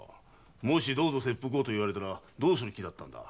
もし「どうぞ切腹を」と言われたらどうする気だったんだ？